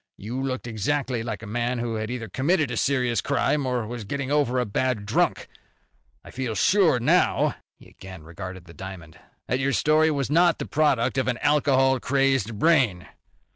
You looked exactly like a man who had either committed a serious crime, or was getting over a bad drunk. I feel sure now" he again regarded the diamond "that your story was not the product of an alcohol crazed brain.